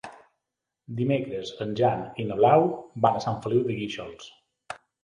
Dimecres en Jan i na Blau van a Sant Feliu de Guíxols.